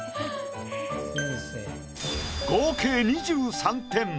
合計２３点。